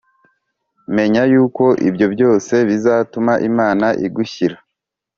menya yuko ibyo byose bizatuma Imana igushyira